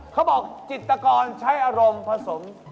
เขาบอกจิตกรใช้อารมณ์ผสม